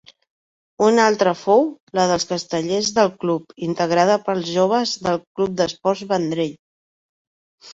Una altra fou la dels castellers del Club, integrada per joves del Club d'Esports Vendrell.